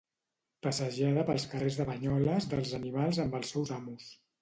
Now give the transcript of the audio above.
Passejada pels carrers de Banyoles dels animals amb els seus amos.